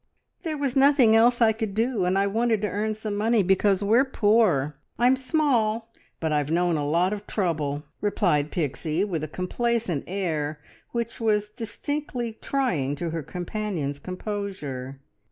"There was nothing else I could do, and I wanted to earn some money, because we're poor. I'm small, but I've known a lot of trouble," replied Pixie, with a complacent air which was distinctly trying to her companion's composure.